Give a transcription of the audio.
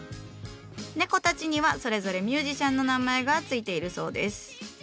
猫たちにはそれぞれミュージシャンの名前が付いているそうです。